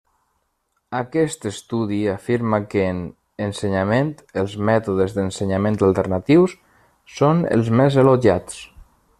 Aquest estudi afirma que, en ensenyament, els mètodes d'ensenyament alternatius són els més elogiats.